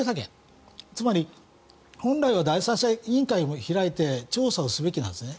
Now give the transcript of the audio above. つまり、本来は第三者委員会を開いて調査すべきなんですね。